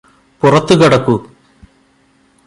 പുറത്തുകടക്കൂ